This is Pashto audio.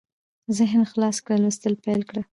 ذهن خلاص کړه لوستل پېل کړه